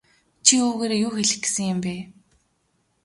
Чи үүгээрээ юу хэлэх гэсэн юм бэ?